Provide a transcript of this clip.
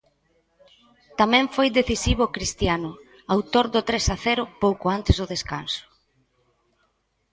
Tamén foi decisivo Cristiano, autor do tres a cero pouco antes do descanso.